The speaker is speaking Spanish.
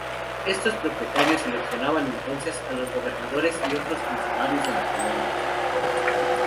Estos propietarios seleccionaban entonces a los gobernadores y otros funcionarios de la colonia.